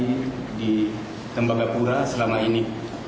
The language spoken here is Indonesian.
dengan kejadian yang terjadi di tembaga pura selama ini